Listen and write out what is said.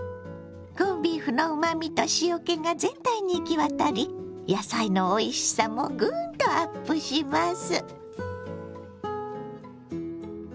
コンビーフのうまみと塩けが全体に行き渡り野菜のおいしさもグンとアップします。